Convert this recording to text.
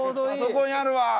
あそこにあるわ！